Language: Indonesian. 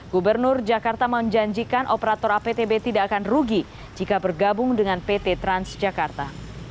gubernur jakarta menjanjikan operator aptb tidak akan rugi jika bergabung dengan pt transjakarta